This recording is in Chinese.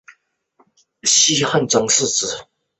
时人因此比刘颂为西汉张释之。